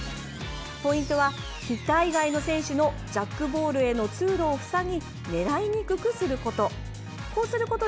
ポイントはヒッター以外の選手のジャックボールへの通路を塞ぎ狙いにくくすること。